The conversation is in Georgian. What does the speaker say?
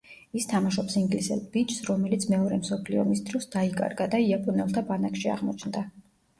ის თამაშობს ინგლისელ ბიჭს, რომელიც მეორე მსოფლიო ომის დროს დაიკარგა და იაპონელთა ბანაკში აღმოჩნდა.